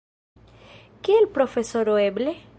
Kiel profesoro, eble?